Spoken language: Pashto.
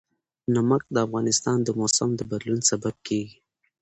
نمک د افغانستان د موسم د بدلون سبب کېږي.